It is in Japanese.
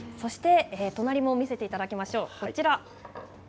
隣も見せていただきましょう。